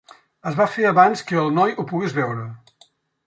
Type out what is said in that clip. Es va fer abans que el noi ho pogués veure.